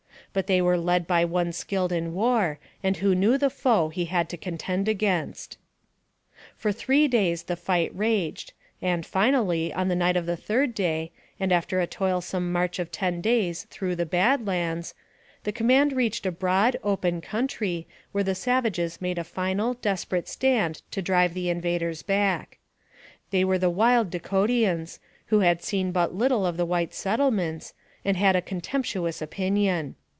But they were led by one skilled in war, and who knew the foe he had to contend against. For three days the tight raged, and, finally, on the night of the third day, and after a toilsome march of ten days through the " Bad Lands," the command reached a broad, open country, where the savages made a final, desperate stand to drive the invaders back. They were the wild Dakotians, who had seen but little of the white settlements, and had a contemptuous opinion.